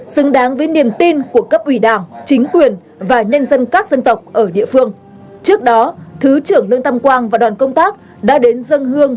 xong phiếu ct một thì anh sẽ nhập thông tin vào đây